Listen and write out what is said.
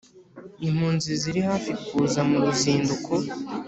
impunzi ziri hafi kuza mu ruzinduko.